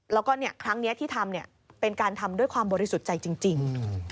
แล้วก็ครั้งนี้ที่ทำเป็นการทำด้วยความบริสุทธิ์ใจจริง